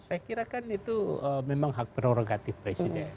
saya kira kan itu memang hak prerogatif presiden